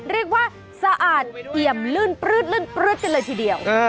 เรียกว่าสะอาดเตรียมลื่นปลื๊ดไปเลยทีเดียว